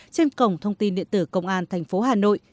trên cổng thông tin điện tử công an thành phố hà nội